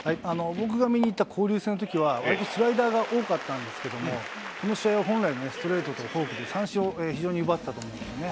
僕が見にいった交流戦のとき、わりとスライダーが多かったんですけれども、この試合は、本来のストレートをフォークで三振を非常に奪ってたと思うんですね。